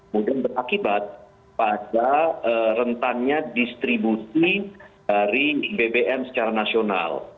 kemudian berakibat pada rentannya distribusi dari bbm secara nasional